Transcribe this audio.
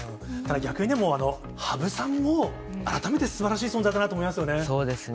逆にでも、羽生さんも、改めてすばらしい存在だなと思いますよね。